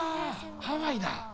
ハワイだ！